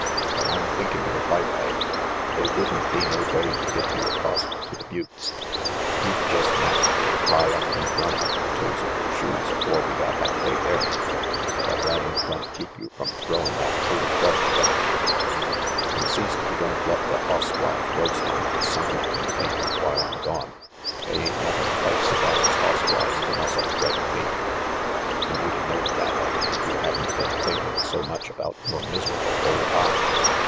But I'm thinkin' you're right, Ike. They wouldn't be no way to get you acrost to the buttes. You'd just naturally fry up and run out the toes of your shoes afore we got half way there. But that ain't gonna keep you from throwin' that tote of grub together; and see't you don't let the hoss flies roost on that sign I been paintin' while I'm gone. They ain't nothin' quite so bad as hoss flies to muss up red paint, and you'd a knowed that, Ike, if you hadn't been thinking so much about your miserable ole hide.